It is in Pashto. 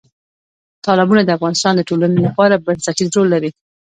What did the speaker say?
تالابونه د افغانستان د ټولنې لپاره بنسټیز رول لري.